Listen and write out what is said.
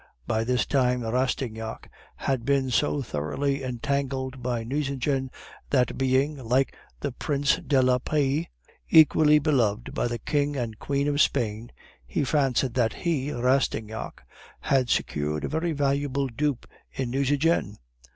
By this time Rastignac had been so thoroughly entangled by Nucingen, that being, like the Prince de la Paix, equally beloved by the King and Queen of Spain, he fancied that he (Rastignac) had secured a very valuable dupe in Nucingen!